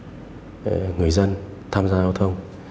để đảm bảo cho người dân tham gia giao thông